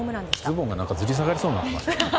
ズボンがずり下がりそうになっていましたね。